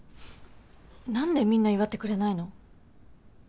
何でみんな祝ってくれないの？